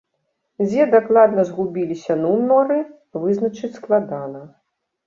Дзе дакладна згубіліся нумары, вызначыць складана.